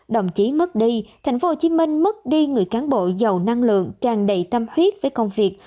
đồng chí mất đi tp hcm mất đi người cán bộ giàu năng lượng tràn đầy tâm huyết với công việc